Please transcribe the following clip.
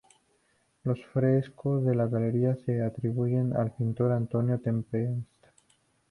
Los frescos de la galería se atribuyen al pintor Antonio Tempesta.